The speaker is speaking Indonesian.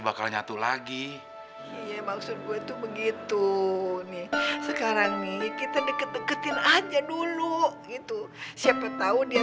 bakal nyatu lagi iya maksud gue tuh begitu nih sekarang nih kita deket deketin aja dulu gitu siapa tahu dia